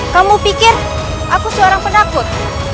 kamu pikir aku seorang penakut